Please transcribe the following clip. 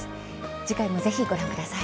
次回もぜひご覧ください。